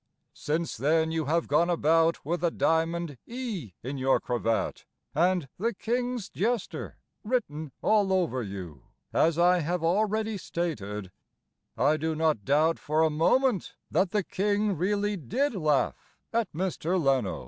Since then you have gone about With a diamond "E" in your cravat, And "The King's Jester" written all over you As I have already stated, I do not doubt for a moment That the King really did laugh At Mr. Leno.